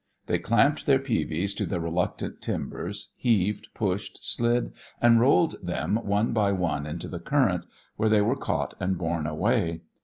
They clamped their peavies to the reluctant timbers, heaved, pushed, slid, and rolled them one by one into the current, where they were caught and borne away.